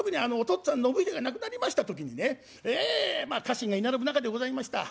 っつぁん信秀が亡くなりました時にねええまあ家臣が居並ぶ中でございました。